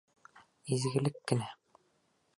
Изгелек кенә.